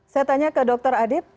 saya tanya ke dokter adip